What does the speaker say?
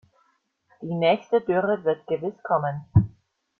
Die nächste Dürre wird gewiss kommen.